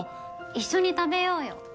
一緒に食べようよ。